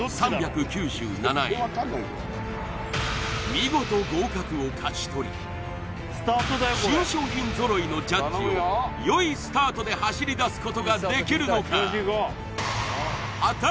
見事合格を勝ち取り新商品揃いのジャッジをよいスタートで走り出すことができるのか？